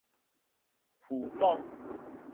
魚脯